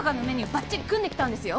バッチリ組んできたんですよ